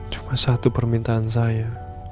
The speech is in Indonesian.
cuma satu permintaan saya